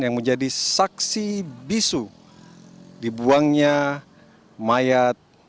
yang menjadi saksi bisu dibuangnya mayat